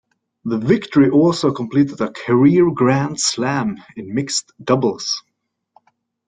The victory also completed a Career Grand Slam in mixed doubles.